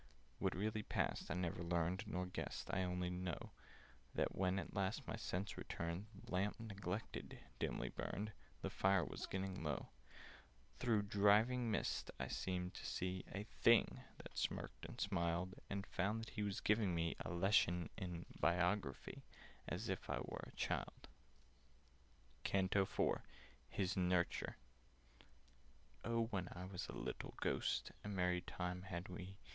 What really passed I never learned, Nor guessed: I only know That, when at last my sense returned, The lamp, neglected, dimly burned— The fire was getting low— Through driving mists I seemed to see A Thing that smirked and smiled: And found that he was giving me A lesson in Biography, As if I were a child. CANTO IV Hys Nouryture "OH, when I was a little Ghost, A merry time had we!